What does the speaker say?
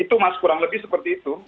itu mas kurang lebih seperti itu